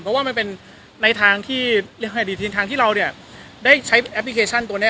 เพราะว่ามันเป็นในทางที่เราเลยใช้แอพพลิเคชันตัวเนี้ย